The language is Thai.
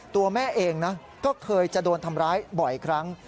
ตัวแม่เองนะก็เคยจะโดนทำร้ายบ่อยครั้ง